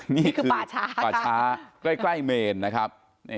นี่คือป่าช้าใกล้เมนนะครับ